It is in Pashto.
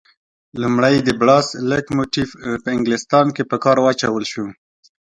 لومړی د بړاس لکوموټیف په انګلیستان کې په کار واچول شو.